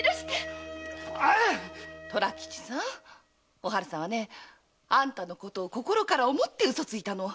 お春さんはねあんたのことを心から思って嘘ついたの。